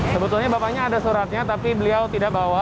sebetulnya bapaknya ada suratnya tapi beliau tidak bawa